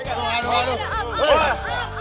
aduh aduh aduh